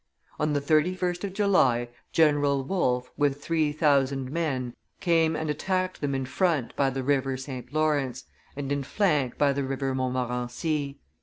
On the 31st of July, General Wolfe, with three thousand men, came and attacked them in front by the River St. Lawrence, and in flank by the River Montmorency.